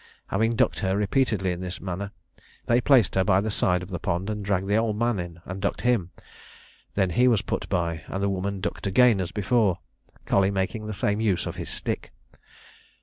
Having ducked her repeatedly in this manner, they placed her by the side of the pond, and dragged the old man in, and ducked him: then he was put by, and the woman ducked again as before, Colley making the same use of his stick.